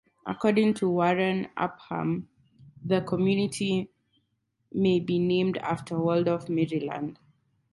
According to Warren Upham, the community may be named after Waldorf, Maryland.